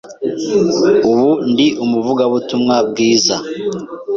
ubu ndi umuvugabutumwa bwiza